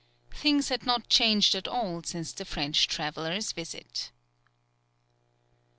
Things had not changed at all since the French traveller's visit.